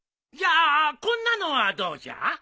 じゃあこんなのはどうじゃ？